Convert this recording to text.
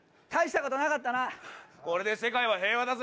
これで世界は平和だぜ！